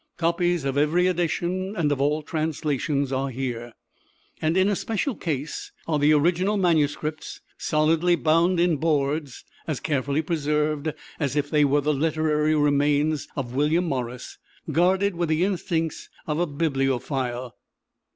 Copies of every edition and of all translations are here. And in a special case are the original manuscripts, solidly bound in boards, as carefully preserved as were the "literary remains" of William Morris, guarded with the instincts of a bibliophile.